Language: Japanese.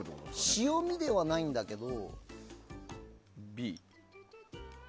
塩みではないんだけど。